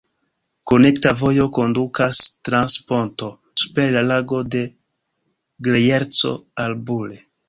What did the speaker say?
Konekta vojo kondukas trans ponto super la Lago de Grejerco al Bulle.